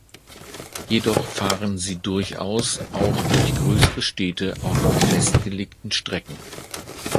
Jedoch fahren sie durchaus auch durch größere Städte auf festgelegten Strecken.